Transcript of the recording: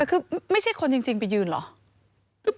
คือไม่ใช่คนจริงไปยืนเหรอ